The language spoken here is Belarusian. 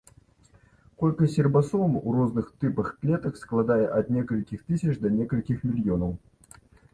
Колькасць рыбасом у розных тыпах клетак складае ад некалькіх тысяч да некалькіх мільёнаў.